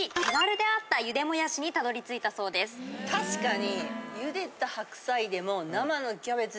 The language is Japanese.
確かに。